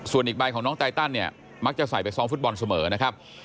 ส่วนอีกใบของน้องไตตันเนี่ยมักจะใส่ไปซ้อมฟุตบอลเสมอนะครับ